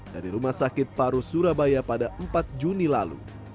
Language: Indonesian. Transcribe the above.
dari rumah sakit paru surabaya pada empat juni lalu